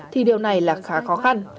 thì điều này là khá khó khăn